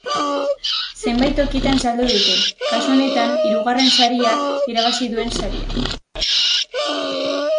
Zenbait tokitan saldu dute, kasu honetan, hirugarren saria irabazki duen saria.